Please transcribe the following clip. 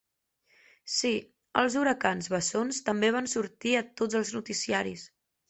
Sí, els huracans bessons també van sortir a tots els noticiaris.